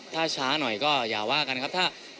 ถ้าช้าหน่อยก็อย่าว่ากันครับ